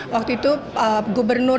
waktu itu gubernur